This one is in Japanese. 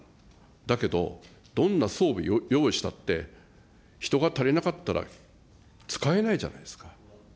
だけど、どんな装備を用意したって、人が足りなかったら使えないじゃないですか。